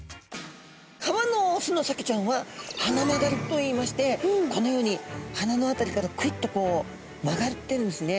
川のオスのサケちゃんは鼻曲がりといいましてこのように鼻の辺りからクイッとこう曲がってるんですね。